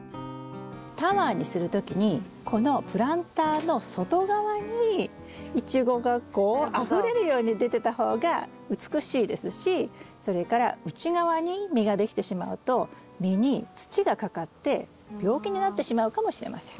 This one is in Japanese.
タワーにする時にこのプランターの外側にイチゴがこうあふれるように出てた方が美しいですしそれから内側に実ができてしまうと実に土がかかって病気になってしまうかもしれません。